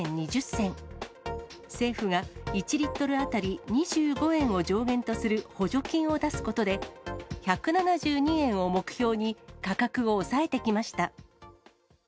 政府が１リットル当たり２５円を上限とする補助金を出すことで、１７２円を目標に、価格を抑えてきました。